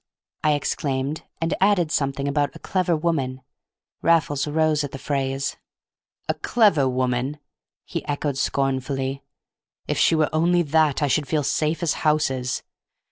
I exclaimed, and added something about "a clever woman." Raffles rose at the phrase. "A clever woman!" he echoed, scornfully; "if she were only that I should feel safe as houses.